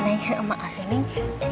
neng emang maaf sih neng